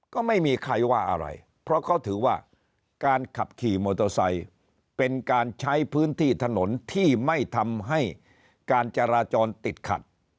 ก็ไม่มีใครว่าอะไรเพราะเขาถือว่าการขับขี่มอเตอร์ไซค์เป็นการใช้พื้นที่ถนนที่ไม่ทำให้การจราจรติดขัด